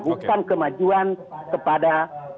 bukan kemajuan kepada